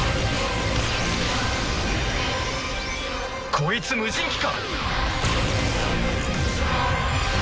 こいつ無人機か。